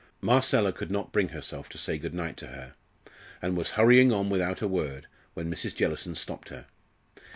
Marcella could not bring herself to say good night to her, and was hurrying on without a word, when Mrs. Jellison stopped her.